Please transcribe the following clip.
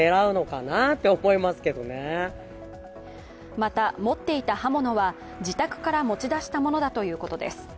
また、持っていた刃物は自宅から持ち出したものだということです。